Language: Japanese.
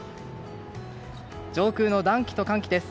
上空の暖気と寒気です。